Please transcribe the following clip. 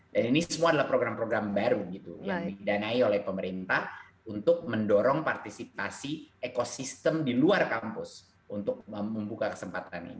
dan ini semua adalah program program baru gitu yang didanai oleh pemerintah untuk mendorong partisipasi ekosistem di luar kampus untuk membuka kesempatan ini